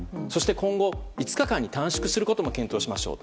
そして今後、５日間に短縮することも検討します。